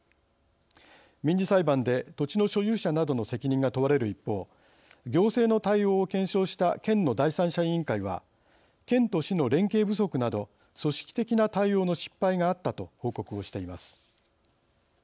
民事裁判で土地の所有者などの責任が問われる一方行政の対応を検証した県の第三者委員会は県と市の連携不足など組織的な対応の失敗があったと報告をしています。